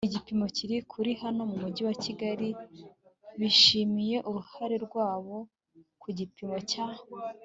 igipimo kiri kuri naho mu mujyi wa Kigali bishimiye uruhare rwabo ku gipimo cya